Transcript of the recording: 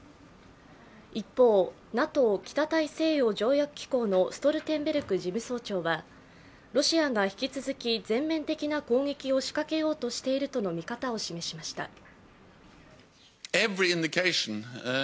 一方、ＮＡＴＯ＝北大西洋条約機構のストルテンベルグ事務局長はロシアが引き続き全面的な攻撃を仕掛けようとしているとの見方を示しました。